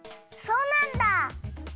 そうなんだ！